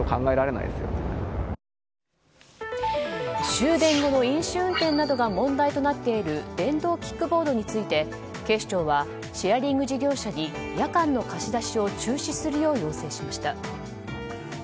終電後の飲酒運転などが問題になっている電動キックボードについて警視庁はシェアリング事業者に夜間の貸し出しを中止するよう要請しました。